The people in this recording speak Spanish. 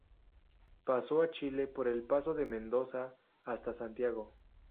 Pasa a Chile por el paso de Mendoza hasta Santiago.